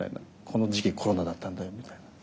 この時期コロナだったんだよみたいな。